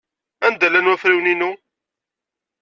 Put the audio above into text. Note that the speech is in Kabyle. Anda llan wafriwen-inu?